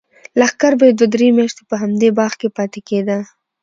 لښکر به یې دوه درې میاشتې په همدې باغ کې پاتې کېده.